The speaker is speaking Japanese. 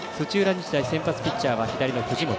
日大、先発ピッチャーは左の藤本。